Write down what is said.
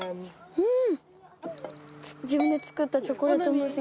うん。